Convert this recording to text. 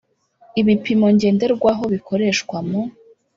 ibipimo ngenderwaho bikoreshwa mu